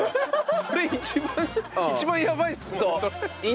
それ一番やばいですもんね。